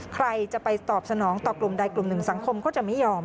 ใครจะไปตอบสนองต่อกลุ่มใดกลุ่มหนึ่งสังคมก็จะไม่ยอม